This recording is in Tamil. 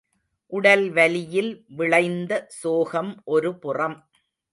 உடல் வலியில் விளைந்த சோகம் ஒரு புறம்.